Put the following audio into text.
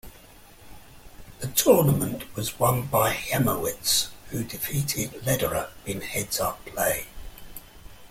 The tournament was won by Heimowitz, who defeated Lederer in heads-up play.